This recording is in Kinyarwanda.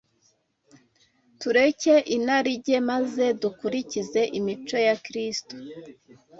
tureke inarijye, maze dukurikize imico ya Kristo.